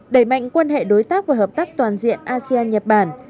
đẩy mạnh quan hệ đối tác và hợp tác toàn diện asean nhật bản